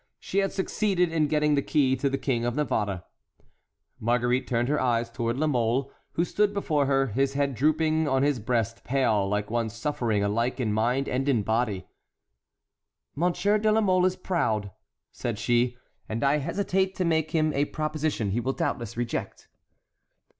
She had succeeded in getting the key to the King of Navarre. Marguerite turned her eyes toward La Mole, who stood before her, his head drooping on his breast, pale, like one suffering alike in mind and in body. "Monsieur de la Mole is proud," said she, "and I hesitate to make him a proposition he will doubtless reject."